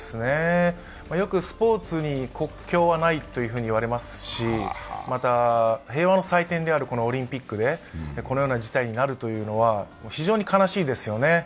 よくスポーツに国境はないといわれますし、また、平和の祭典であるオリンピックでこのような事態になるというのは非常に悲しいですよね。